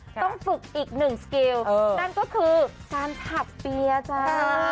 ต้องฝึกอีกหนึ่งสกิลนั่นก็คือการขับเปียร์จ้า